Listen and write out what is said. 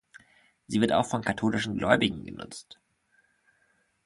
Sie wird auch von katholischen Gläubigen genutzt.